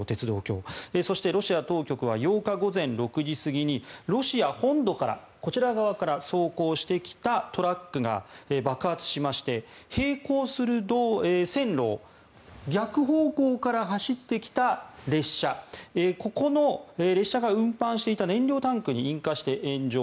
そして、ロシア当局は８日午前６時過ぎにロシア本土から、こちら側から走行してきたトラックが爆発しまして並行する線路を逆方向から走ってきた列車ここの列車が運搬していた燃料タンクに引火して炎上。